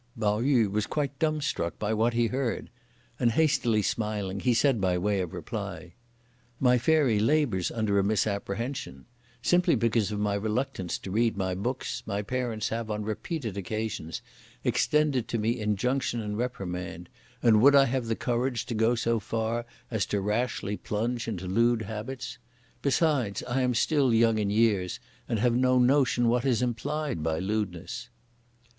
Pao yü was quite dumbstruck by what he heard, and hastily smiling, he said by way of reply: "My Fairy labours under a misapprehension. Simply because of my reluctance to read my books my parents have, on repeated occasions, extended to me injunction and reprimand, and would I have the courage to go so far as to rashly plunge in lewd habits? Besides, I am still young in years, and have no notion what is implied by lewdness!"